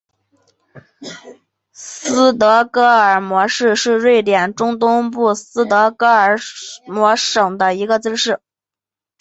斯德哥尔摩市是瑞典中东部斯德哥尔摩省的一个自治市。